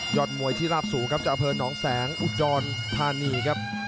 ยอดมวยที่ราบสูงครับจาเผินน้องแสงอุดยอนธานีครับ